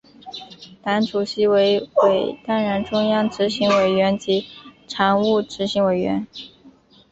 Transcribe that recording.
党主席为为当然中央执行委员及常务执行委员。